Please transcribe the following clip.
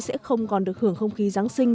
sẽ không còn được hưởng không khí giáng sinh